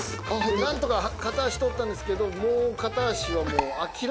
何とか片足通ったんですけどもう片足は。